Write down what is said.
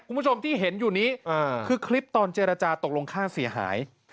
คุณผู้ชมที่เห็นอยู่นี้คือคลิปตอนเจรจาตกลงค่าเสียหาย